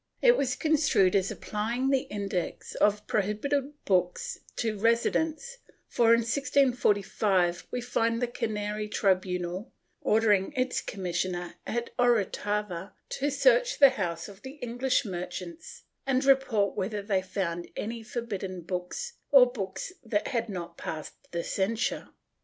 It was construed as applying the Index of prohibited books to residents for, in 1645, we find the Canary tribunal ordering its commissioner at Orotava to search the houses of the English mer chants and report whether they found any forbidden books or books that had not passed the censure.